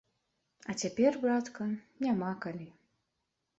А цяпер, братка, няма калі.